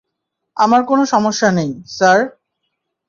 আমার কোনো সমস্যা নেই, স্যার।